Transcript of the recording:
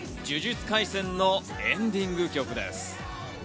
『呪術廻戦』のエンディング曲です。